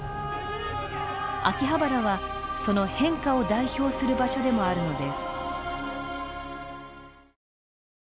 秋葉原はその変化を代表する場所でもあるのです。